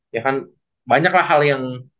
ya kan banyaklah hal yang